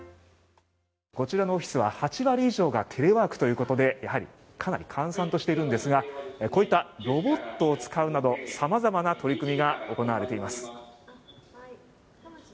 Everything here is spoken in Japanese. こちらのオフィスは８割以上がテレワークということで、やはりかなり閑散としているんですがこういったロボットを使うなど様々な取り組みが行われています。